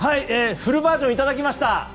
フルバージョンいただきました。